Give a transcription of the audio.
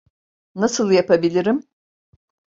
Nasıl yapabilirim?